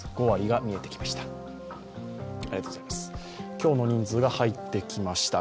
今日の人数がはいってきました。